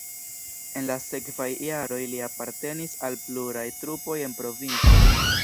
En la sekvaj jaroj li apartenis al pluraj trupoj en provinco.